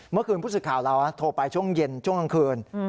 เมื่อคืนพุธศึกข่าวเราโทรไปช่วงเย็นช่วงกลางคืน